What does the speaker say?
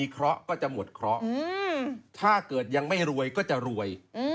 ก็จริงนะครับ